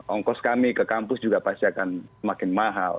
ongkos kami ke kampus juga pasti akan semakin mahal